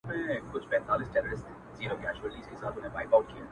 دا دنیا له هر بنده څخه پاتیږي-